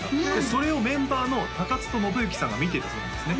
それをメンバーの高津戸信幸さんが見ていたそうなんですね